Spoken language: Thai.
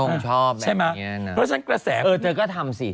โอ้ชอบแบบนี้นะอ่ะใช่ไหมเพราะฉะนั้นกระแสกเออเธอก็ทำสิ